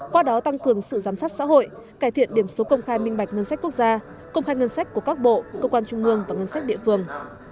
qua đó tăng cường sự giám sát xã hội cải thiện điểm số công khai minh bạch ngân sách quốc gia công khai ngân sách của các bộ cơ quan trung mương và ngân sách địa phương